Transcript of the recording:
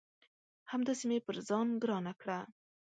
همداسي مې پر ځان ګرانه کړه